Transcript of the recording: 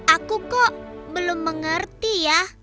aku kok belum mengerti ya